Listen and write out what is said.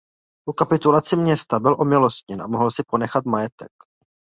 Po kapitulaci města byl omilostněn a mohl si ponechat majetek.